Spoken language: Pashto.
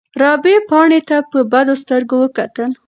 رابعې پاڼې ته په بدو سترګو وکتل.